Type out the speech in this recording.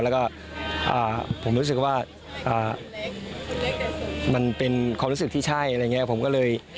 แล้วก็ผมรู้สึกว่ามันเป็นความรู้สึกที่ใช่อะไรอย่างนี้ผมก็เลย